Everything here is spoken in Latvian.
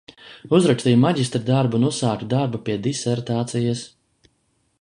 Uzrakstīju maģistra darbu un uzsāku darbu pie disertācijas.